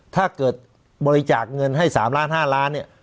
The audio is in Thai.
ถ้าเกิดบริจาคเงินให้๓ล้าน๕ล้านเนี่ย